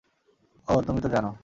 ওহ, তুমি তো জানো।